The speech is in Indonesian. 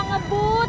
tidak ada yang keras